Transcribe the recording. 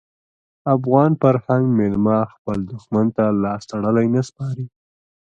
افغان فرهنګ میلمه خپل دښمن ته لاس تړلی نه سپاري.